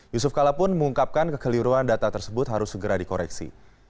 yusuf kala pun mengungkapkan kekeliruan data tersebut harus segera dikoreksi